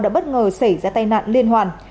đã bất ngờ xảy ra tai nạn liên hoàn